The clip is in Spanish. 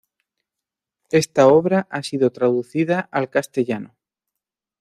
Esta obra ha sido traducida al castellano.